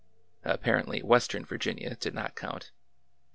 Apparently, western Virginia did not count.